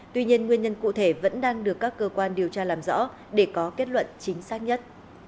tuy nhiên nguyên nhân cụ thể vẫn đang được các cơ quan điều tra làm rõ để có kết luận chính xác nhất